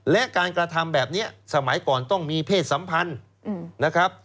และการกระทำแบบนี้สมัยก่อนต้องมีเพศสัมพันธ์นะครับ